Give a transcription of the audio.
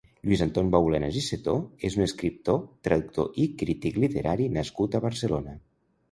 Lluís-Anton Baulenas i Setó és un escriptor, traductor i crític literari nascut a Barcelona.